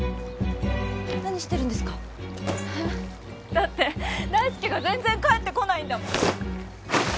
だって大介が全然帰ってこないんだもん。